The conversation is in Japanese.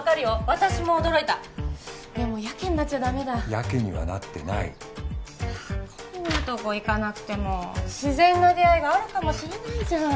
私も驚いたでもヤケになっちゃダメだヤケにはなってないこんなとこ行かなくても自然な出会いがあるかもしれないじゃん